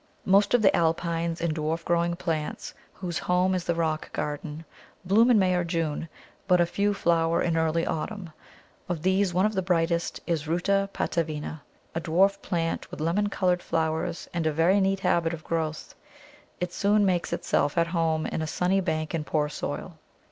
Most of the Alpines and dwarf growing plants, whose home is the rock garden, bloom in May or June, but a few flower in early autumn. Of these one of the brightest is Ruta patavina, a dwarf plant with lemon coloured flowers and a very neat habit of growth. It soon makes itself at home in a sunny bank in poor soil.